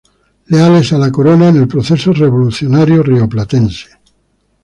Leales a la corona en el proceso revolucionario rioplatense.